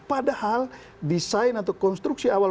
padahal desain atau konstruksi awal